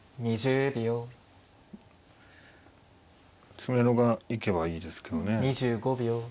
詰めろが行けばいいですけどね。